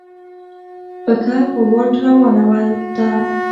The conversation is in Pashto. پښه په واټ روانه ده.